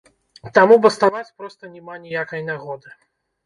Таму баставаць проста няма ніякай нагоды!